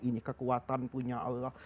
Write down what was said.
ini kekuatan punya allah